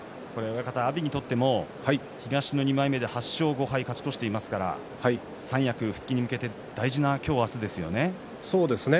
阿炎にとっても東の２枚目で８勝５敗、勝ち越していますから三役復帰に向けて大事なそうですね